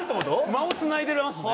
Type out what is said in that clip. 間をつないでますね。